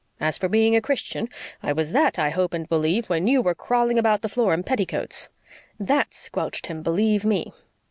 As for being a Christian, I was that, I hope and believe, when you were crawling about the floor in petticoats.' THAT squelched him, believe ME.